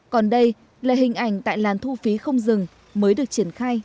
còn đây là hình ảnh tại làn thu phí không dừng mới được triển khai